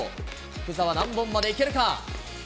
福澤、何本までいけるか。